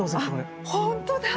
あ本当だ！